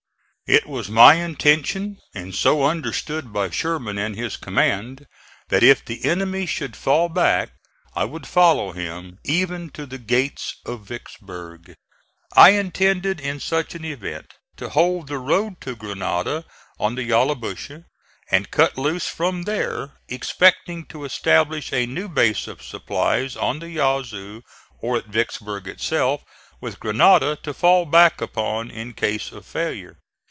It was my intention, and so understood by Sherman and his command, that if the enemy should fall back I would follow him even to the gates of Vicksburg. I intended in such an event to hold the road to Grenada on the Yallabusha and cut loose from there, expecting to establish a new base of supplies on the Yazoo, or at Vicksburg itself, with Grenada to fall back upon in case of failure.